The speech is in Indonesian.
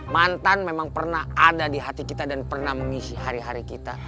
mantan memang pernah ada di hati kita dan pernah mengisi hari hari kita